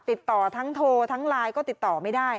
ติดต่อทั้งโทรทั้งไลน์ก็ติดต่อไม่ได้